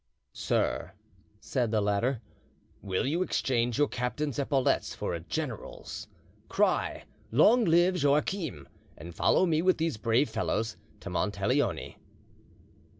"Sir," said the latter, "will you exchange your captain's epaulettes for a general's? Cry 'Long live Joachim!' and follow me with these brave fellows to Monteleone."